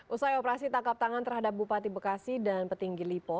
usai operasi tangkap tangan terhadap bupati bekasi dan petinggi lipo